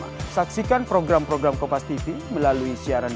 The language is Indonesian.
eskalasi yang signifikan tidak diinginkan oleh siapa pun